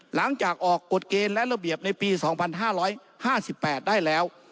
หลังจากออกกฎเกณฑ์และระเบียบในปี๒๕๕๘ได้แล้ว